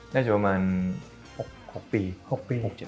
น่าจะประมาณ๖ปี